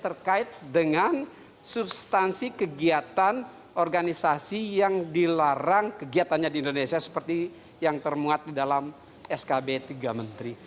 terkait dengan substansi kegiatan organisasi yang dilarang kegiatannya di indonesia seperti yang termuat di dalam skb tiga menteri